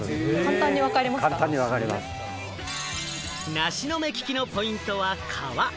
梨の目利きのポイントは皮。